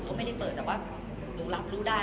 ก็ไม่ได้เปิดแต่ว่าหนูรับรู้ได้